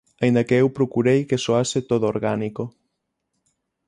Aínda que eu procurei que soase todo orgánico.